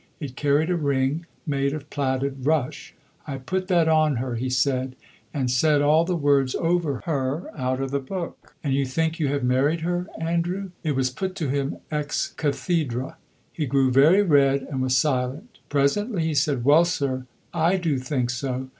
It carried a ring, made of plaited rush. "I put that on her," he said, "and said all the words over her out of the book." "And you think you have married her, Andrew?" It was put to him ex cathedrâ. He grew very red and was silent; presently he said, "Well, sir, I do think so.